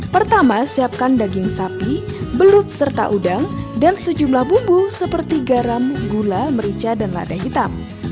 pertama siapkan daging sapi belut serta udang dan sejumlah bumbu seperti garam gula merica dan lada hitam